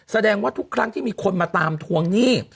แสดงว่าทุกครั้งที่มีคนมาตามทวงหนี้